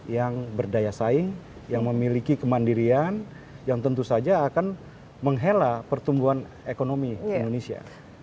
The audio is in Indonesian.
yang berdaya saing yang memiliki kemandirian yang tentu saja akan menghela pertumbuhan ekonomi indonesia